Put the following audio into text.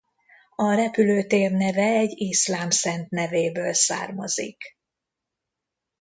A repülőtér neve egy iszlám szent nevéből származik.